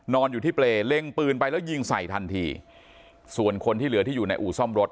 นอนอยู่ที่เปรย์เล็งปืนไปแล้วยิงใส่ทันทีส่วนคนที่เหลือที่อยู่ในอู่ซ่อมรถ